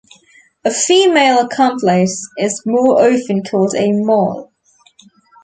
A female accomplice is more often called a moll.